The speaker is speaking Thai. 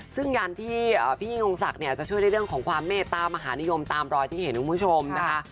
ซึ่งยันที่พี่ยิ่งยงศักดิ์เนี่ยจะช่วยในเรื่องของความเมตตามหานิยมตามรอยที่เห็นคุณผู้ชมนะคะ